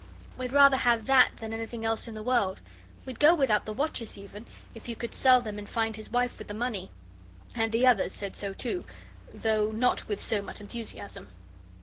We'd rather have that than anything else in the world. We'd go without the watches, even, if you could sell them and find his wife with the money." And the others said so, too, though not with so much enthusiasm.